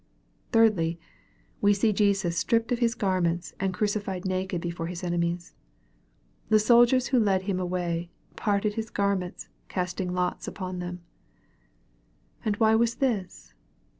Thirdly, we see Jesus stripped of His garments and crucified naked before His enemies. The soldiers who led Him away " parted His garments, casting lots upon them." And why was this